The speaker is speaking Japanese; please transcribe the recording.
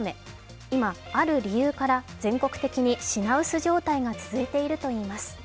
今、ある理由から全国的に品薄状態が続いているといいます。